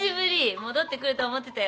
戻ってくると思ってたよ。